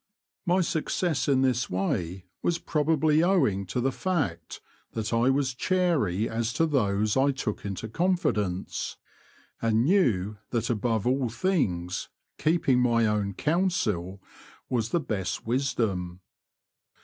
My success in this way was probably 142 The Confessions of a T^oacher. owing to the fact that I was chary as to those I took into confidence, and knew that above all things keeping my own council was the best wisdom.